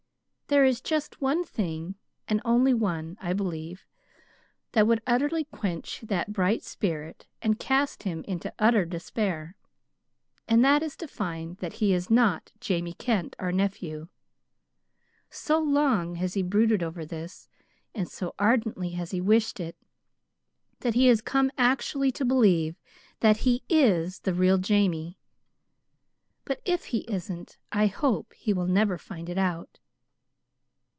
There is just one thing and only one, I believe that would utterly quench that bright spirit and cast him into utter despair; and that is to find that he is not Jamie Kent, our nephew. So long has he brooded over this, and so ardently has he wished it, that he has come actually to believe that he IS the real Jamie; but if he isn't, I hope he will never find it out."